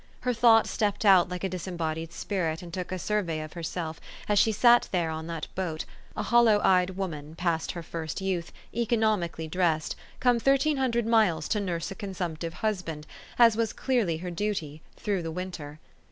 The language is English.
Her thought stepped out like a disembodied spirit, and took a survey of herself, as she sat there on that boat, a hollow eyed woman, past her first youth, economically dressed, come thirteen hundred miles THE STORY OF AVlS. 397 to nurse a consumptive husband as was clearly her duty through the winter.